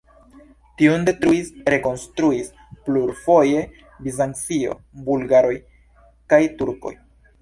Tiun detruis, rekonstruis plurfoje Bizancio, bulgaroj kaj turkoj.